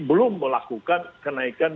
belum melakukan kenaikan